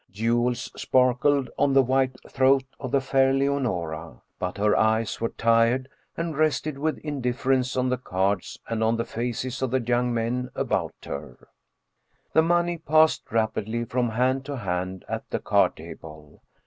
Jewels sparkled on the white throat of the fair Leonora, but her eyes were tired and rested with in difference on the cards and on the faces of the young men about her. The money passed rapidly from hand to hand at the card table.